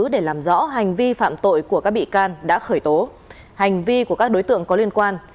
để làm rõ hành vi phạm tội của các bị can đã khởi tố hành vi của các đối tượng có liên quan